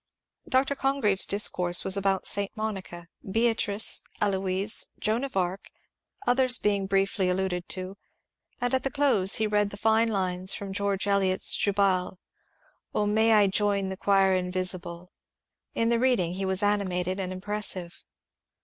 A POSITIVIST CHURCH SERMON 381 Dr. Congreve's discourse was about St. Monica, Beatrice, Heloise, Joan of Arc, others being briefly alluded to ; and at the close he read the fine lines from George Eliot's ^^ Jubal," —" O may I join the choir invisible I " In the reading he was animated and impressive.